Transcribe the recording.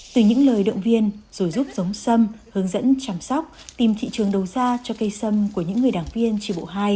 từ những lời động viên rồi giúp giống sâm hướng dẫn chăm sóc tìm thị trường đầu ra cho cây sâm của những người đảng viên tri bộ hai